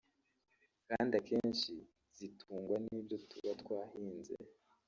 kandi akenshi zitungwa nibyo tuba twahinze